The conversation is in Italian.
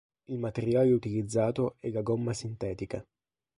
Il materiale utilizzato è la gomma sintetica.